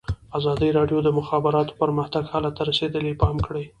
ازادي راډیو د د مخابراتو پرمختګ حالت ته رسېدلي پام کړی.